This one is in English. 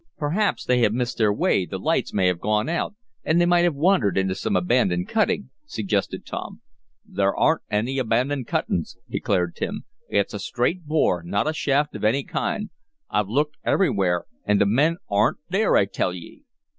"Perhaps they have missed their way the lights may have gone out, and they might have wandered into some abandoned cutting," suggested Tom. "There aren't any abandoned cuttin's," declared Tim. "It's a straight bore, not a shaft of any kind. I've looked everywhere, and th' min aren't there I tell ye!"